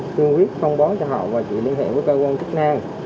cương quyết thông báo cho họ và chị liên hệ với cơ quan chức năng